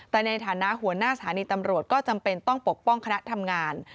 แต่ในฐานะหัวหน้าสถานีตำรวจก็จำเป็นต้องปกป้องคณะทำงาน